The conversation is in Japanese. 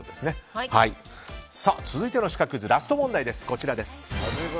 続いてのシカクイズラスト問題です。